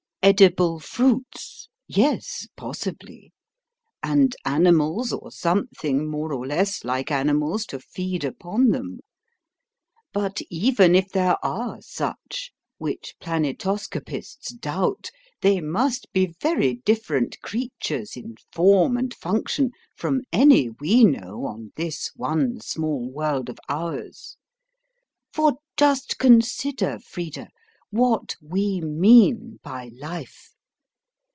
"Edible fruits? Yes, possibly; and animals or something more or less like animals to feed upon them. But even if there are such, which planetoscopists doubt, they must be very different creatures in form and function from any we know on this one small world of ours. For just consider, Frida, what we mean by life.